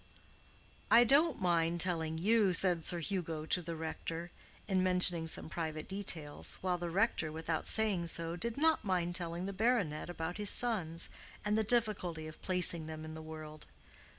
"I don't mind telling you," said Sir Hugo to the rector, in mentioning some private details; while the rector, without saying so, did not mind telling the baronet about his sons, and the difficulty of placing them in the world.